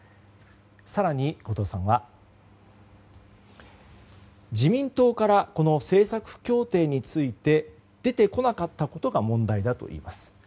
更に後藤さんは、自民党からこの政策協定について出てこなかったことが問題だといいます。